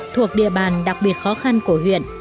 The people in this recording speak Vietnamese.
thuộc địa bàn đặc biệt khó khăn của huyện